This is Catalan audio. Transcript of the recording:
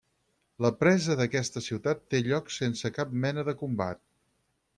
La presa d'aquesta ciutat té lloc sense cap mena de combat.